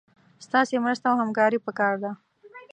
ستاسي مرسته او همکاري پکار ده